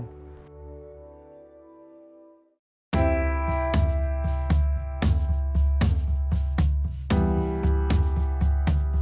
คนที่รู้แต่น้ำกใจ